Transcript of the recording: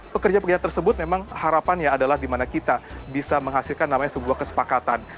pekerja pekerja tersebut memang harapannya adalah di mana kita bisa menghasilkan namanya sebuah kesepakatan